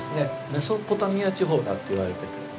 メソポタミア地方だっていわれててですね